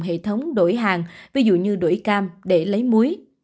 các cư dân cũng đã bắt đầu khởi động hệ thống đổi hàng ví dụ như đổi cam để lấy muối